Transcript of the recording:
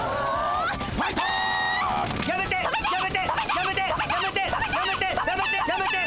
やめて！